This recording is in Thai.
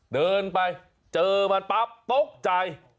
เดินไปเจอมันปั๊บตกใจ